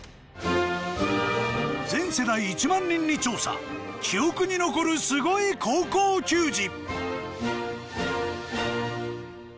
全世代１万人に調査記憶に残るスゴい高校球児。